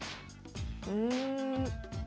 うん。